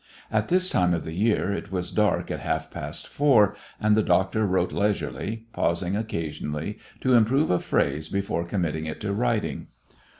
At this time of the year it was dark at half past four, and the doctor wrote leisurely, pausing occasionally to improve a phrase before committing it to writing.